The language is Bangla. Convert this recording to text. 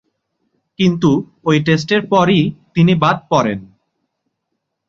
কিন্তু ঐ টেস্টের পরই তিনি বাদ পড়েন।